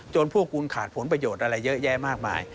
พวกคุณขาดผลประโยชน์อะไรเยอะแยะมากมาย